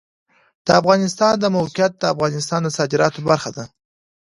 د افغانستان د موقعیت د افغانستان د صادراتو برخه ده.